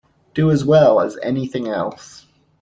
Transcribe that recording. Do as well as anything else!